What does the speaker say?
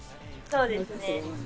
そうですね。